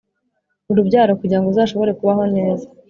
.urubyaro kugira ngo uzashobore kubaho neza